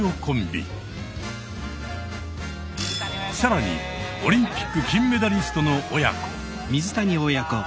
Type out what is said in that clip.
更にオリンピック金メダリストの親子。